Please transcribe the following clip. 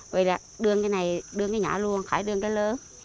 rồi đưa cái này đưa cái nhỏ luôn khỏi đưa cái lớn